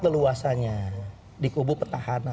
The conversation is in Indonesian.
leluasannya di kubu petahana